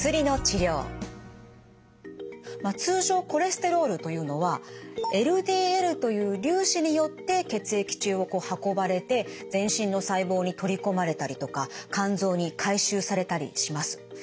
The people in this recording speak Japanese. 通常コレステロールというのはＬＤＬという粒子によって血液中を運ばれて全身の細胞に取り込まれたりとか肝臓に回収されたりします。